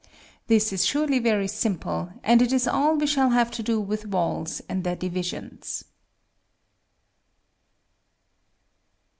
This is surely very simple, and it is all we shall have to do with walls and their divisions.